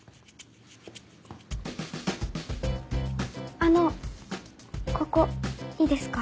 あのここいいですか？